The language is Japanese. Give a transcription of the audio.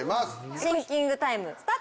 シンキングタイムスタート！